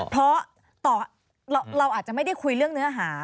เพราะเราอาจจะไม่ได้คุยเรื่องเนื้อหา